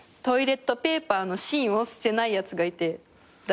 トイレットペーパーの芯を捨てないやつがいて。